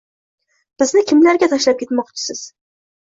Bizni kimlarga tashlab ketmoqchisiz